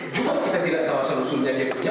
juga kita tidak tahu asal usulnya dia punya